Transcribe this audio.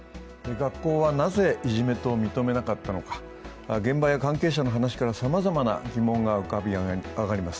学校はなぜいじめと認めなかったのか、現場や関係者の話からさまざまな疑問が浮かび上がります。